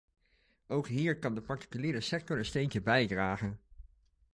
Ook hier kan de particuliere sector een steentje bijdragen.